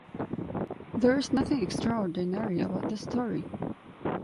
There is nothing extraordinary about the story.